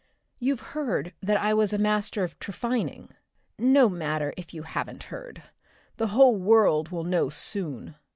You've heard that I was a master of trephining? No matter if you haven't heard, the whole world will know soon!